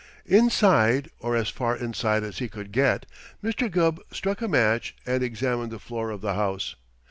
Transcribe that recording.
Inside, or as far inside as he could get, Mr. Gubb struck a match and examined the floor of the house.